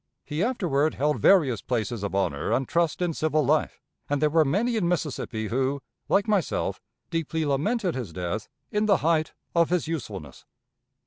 He afterward held various places of honor and trust in civil life, and there were many in Mississippi who, like myself, deeply lamented his death in the height of his usefulness.